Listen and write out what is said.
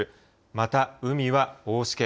また、海は大しけ。